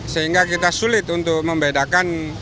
sehingga kita sulit untuk membedakan